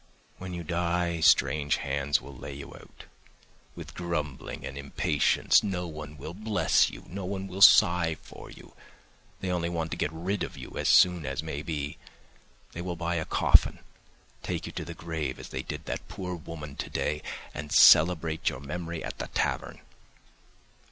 When you die, strange hands will lay you out, with grumbling and impatience; no one will bless you, no one will sigh for you, they only want to get rid of you as soon as may be; they will buy a coffin, take you to the grave as they did that poor woman today, and celebrate your memory at the tavern.